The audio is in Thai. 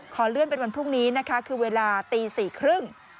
ขอเลื่อนเป็นวันพรุ่งนี้นะคะคือเวลาตี๔๓๐